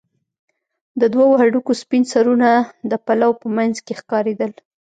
د دوو هډوکو سپين سرونه د پلو په منځ کښې ښکارېدل.